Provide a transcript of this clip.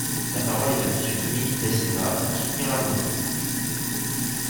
La parole est à Monsieur Dominique Da Silva, pour soutenir l’amendement.